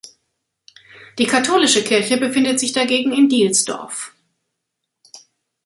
Die katholische Kirche befindet sich dagegen in Dielsdorf.